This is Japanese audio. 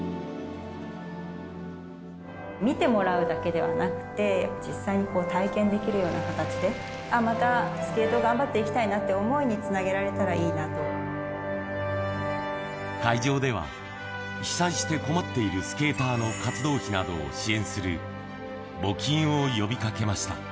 見てもらうだけではなくて、実際に体験できるような形で、またスケートを頑張っていきたいなって想いにつなげられたらいい会場では、被災して困っているスケーターの活動費などを支援する募金を呼びかけました。